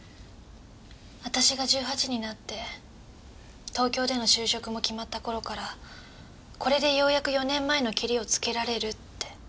私が１８になって東京での就職も決まった頃から「これでようやく４年前のケリをつけられる」って。